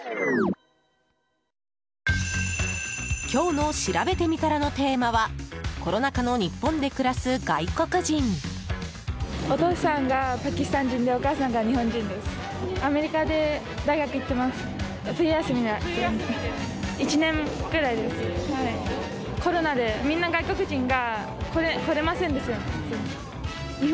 今日のしらべてみたらのテーマはコロナ禍の日本で暮らす外国人。